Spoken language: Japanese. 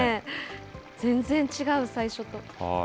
全然違う、最初と。